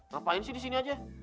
ngapain sih di sini aja